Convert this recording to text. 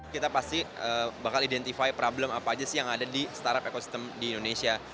kita pasti bakal identifie problem apa aja sih yang ada di startup ekosistem di indonesia